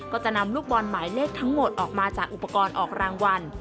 ก็จะนำลูกบอลหมายเลขทั้งหมดออกมาจากอุปกรณ์ออกรางวัล